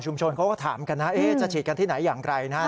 เขาก็ถามกันนะจะฉีดกันที่ไหนอย่างไรนะครับ